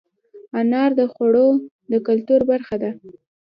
انار د خوړو د کلتور برخه ده.